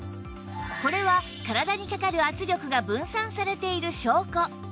これは体にかかる圧力が分散されている証拠